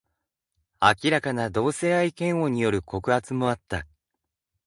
明らかな同性愛嫌悪による告発もあった。